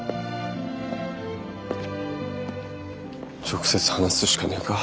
直接話すしかねえか。